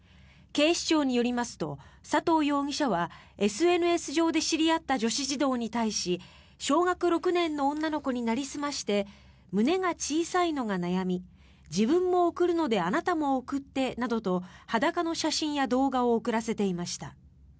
警視庁によりますと佐藤容疑者はＳＮＳ上で知り合った女子児童に対し小学６年の女の子になりすまして胸が小さいのが悩み自分も送るのであなたも送ってなどと裸の写真や動画を送らせていました。